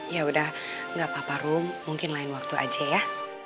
yaudah nggak apa apa rom mungkin lain waktu aja ya